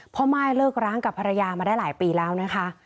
ม่ายเลิกร้างกับภรรยามาได้หลายปีแล้วนะคะ